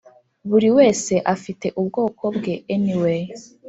Buri wese afite ubwoko bwe anyway